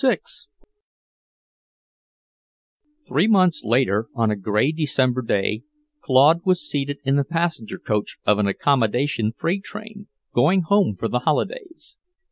VI Three months later, on a grey December day, Claude was seated in the passenger coach of an accommodation freight train, going home for the holidays.